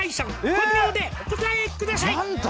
５秒でお答えください」何だ？